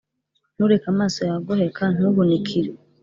ntureke amaso yawe agoheka, ntuhunikire